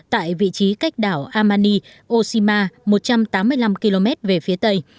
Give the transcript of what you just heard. tại vị trí cách đảo amani oshima một trăm tám mươi năm km về phía tây